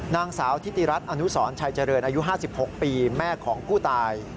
นางสาวทิติรัฐอนุสรชัยเจริญอายุ๕๖ปีแม่ของผู้ตาย